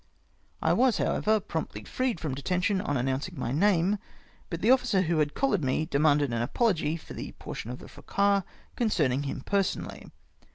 I was, however, promptly freed from detention on amiouncing my name, but the officer who had collared me demanded an apology for the portion of tlie fracas concerning hun personally.